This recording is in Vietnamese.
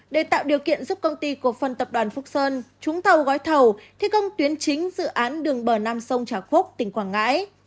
để tạo điều kiện giúp công ty cổ phần tập đoàn phúc sơn trúng thầu gói thầu thi công tuyến chính dự án đường bờ nam sông trà khúc tỉnh quảng ngãi